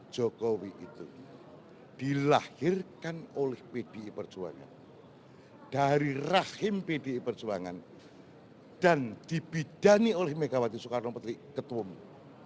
jokowi itu dilahirkan oleh pdi perjuangan dari rahim pdi perjuangan dan dibidani oleh megawati soekarno putri ketua umum